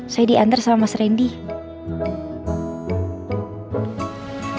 saya diantar sama mas randy